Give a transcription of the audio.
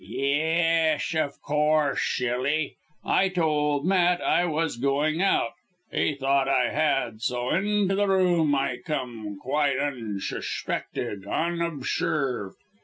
"Yesh, of course, shilly! I told Matt I was going out. He thought I had so into the room I came quite unshuspected, unobsherved.